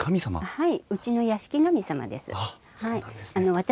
はい。